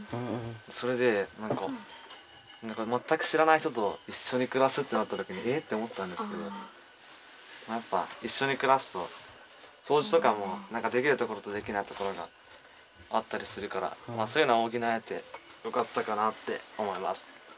それでなんかまったく知らない人といっしょにくらすってなったときに「え⁉」って思ったんですけどやっぱいっしょにくらすとそうじとかもなんかできるところとできないところがあったりするからそういうのおぎなえてよかったかなって思います。